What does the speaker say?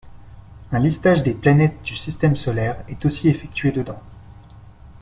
Un listage des planètes du système solaire est aussi effectué dedans.